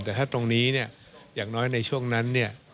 แต่ถ้าตรงนี้อย่างน้อยในช่วงนั้น